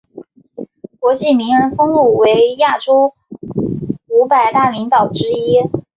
国际名人录封为亚洲五百大领导者之一。